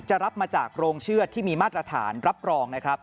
จะรับมาจากโรงเชื้อที่มีมาตรฐานรับรอง